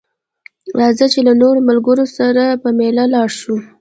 راځه چې له نورو ملګرو سره په ميله لاړ شو